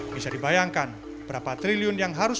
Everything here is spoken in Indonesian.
bisa dibayangkan berapa triliun yang harus